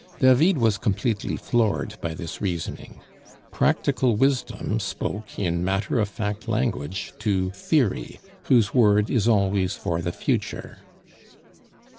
David was completely floored by this reasoning. Practical wisdom spoke in matter of fact language to theory, whose word is always for the future.